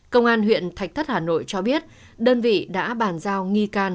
công an huyện thạch thất hà nội cho biết đơn vị đã bàn giao nghi can